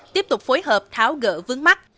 tiếp tục phối hợp tháo gỡ vướng mắt